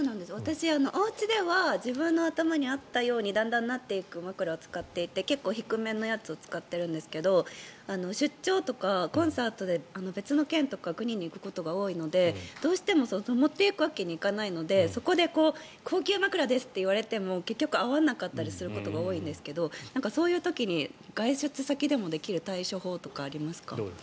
私、おうちでは自分の頭に合ったようにだんだんなっていく枕を使っていて結構低めのやつを使っているんですが出張とか、コンサートで別の県とか国に行くことが多いのでどうしても持っていくわけにはいかないのでそこで高級枕ですって言われても結局合わなかったりすることが多いんですがそういう時に、外出先でもできる対処法とかはありますか？